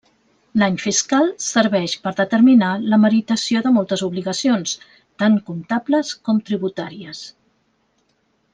L'any fiscal serveix per determinar la meritació de moltes obligacions, tant comptables com tributàries.